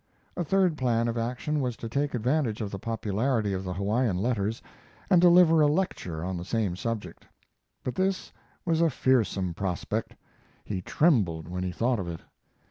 A third plan of action was to take advantage of the popularity of the Hawaiian letters, and deliver a lecture on the same subject. But this was a fearsome prospect he trembled when he thought of it.